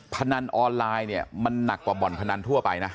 พนันออนไลน์เนี่ยมันหนักกว่าบ่อนพนันทั่วไปนะ